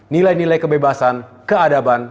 nilai nilai kebebasan keadaban